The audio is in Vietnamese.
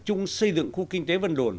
chung xây dựng khu kinh tế vân đồn